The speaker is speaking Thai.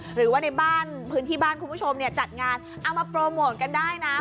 หรือว่าในบ้านพื้นที่บ้านคุณผู้ชมเนี่ยจัดงานเอามาโปรโมทกันได้นะ